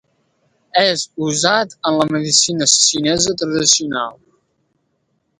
És usat en la medicina xinesa tradicional.